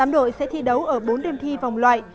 tám đội sẽ thi đấu ở bốn đêm thi vòng loại